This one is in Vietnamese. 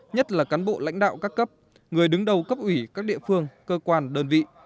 nhất là cán bộ lãnh đạo các cấp người đứng đầu cấp ủy các địa phương cơ quan đơn vị